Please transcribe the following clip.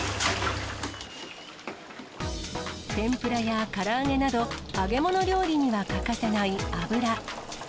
天ぷらやから揚げなど、揚げ物料理には欠かせない油。